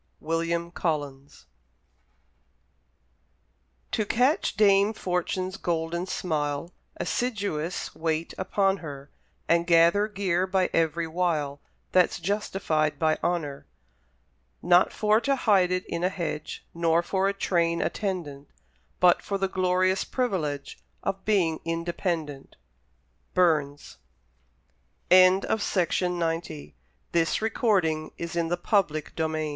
William Collins To catch dame Fortune's golden smile, Assiduous wait upon her; And gather gear by ev'ry wile That's justified by honour; Not for to hide it in a hedge, Nor for a train attendant, But for the glorious privilege Of being independent. Burns BALAKLAVA The cavalry who have been pursuing the Turks on the rig